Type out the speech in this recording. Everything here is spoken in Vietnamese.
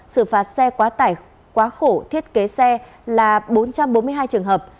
xử phạt xe quá tải quá khổ thiết kế xe là bốn trăm bốn mươi hai trường hợp